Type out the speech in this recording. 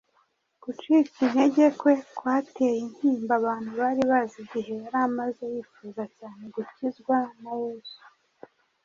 Gucika intege kwe kwateye intimba abantu bari bazi igihe yari amaze yifuza cyane gukizwa na Yesu